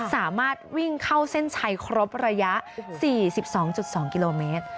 สามารถวิ่งเข้าเส้นชัยครบระยะ๔๒๒กิโลเมตร